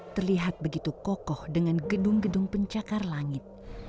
terlihat begitu kokoh dengan gedung gedung pencakar langit